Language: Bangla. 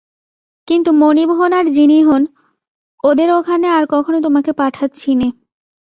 কিন্তু মনিব হোন আর যিনিই হোন, ওদের ওখানে আর কখনো তোমাকে পাঠাচ্ছি নে।